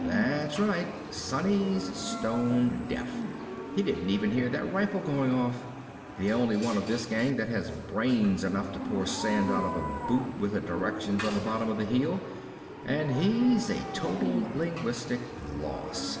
"That's right. Sonny's stone deaf. He didn't even hear that rifle going off. The only one of this gang that has brains enough to pour sand out of a boot with directions on the bottom of the heel, and he's a total linguistic loss."